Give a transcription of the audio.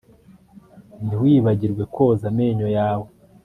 Ntiwibagirwe koza amenyo yawe